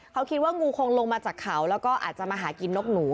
เขาคิดว่างูคงลงมาจากเขาแล้วก็อาจจะมาหากินนกหนู